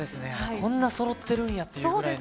こんな、そろってるんやっていうくらいの。